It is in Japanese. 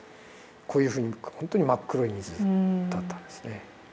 こういうふうに本当に真っ黒い水だったんですね。